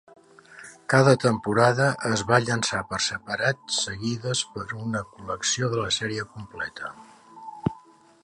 Cada temporada es va llançar per separat, seguides per una col·lecció de la sèrie completa.